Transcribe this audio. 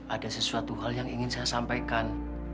ada sesuatu hal yang ingin saya sampaikan